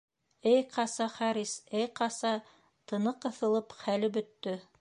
Эй ҡаса Харис, эй ҡаса, тыны ҡыҫылып хәле бөттө.